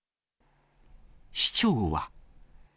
市長は。